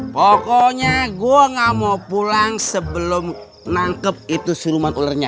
pokoknya gue gak mau pulang sebelum nangkep itu siluman ularnya